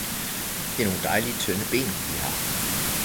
Det er nogle dejlige tynde ben I har!